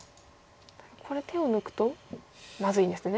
これ手を抜くとまずいんですね